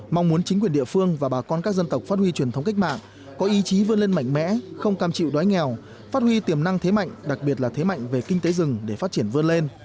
mong muốn chính quyền địa phương và bà con các dân tộc phát huy truyền thống cách mạng có ý chí vươn lên mạnh mẽ không cam chịu đói nghèo phát huy tiềm năng thế mạnh đặc biệt là thế mạnh về kinh tế rừng để phát triển vươn lên